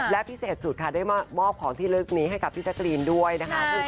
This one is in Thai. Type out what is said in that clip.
และพิเศษสุดค่ะได้มอบของที่ลึกนี้ให้กับพี่แจ๊กรีนด้วยนะคะ